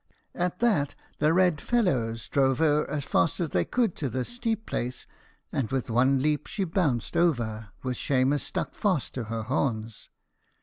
At that the red fellows drove her as fast as they could to this steep place, and with one leap she bounced over, with Shemus stuck fast to her horns.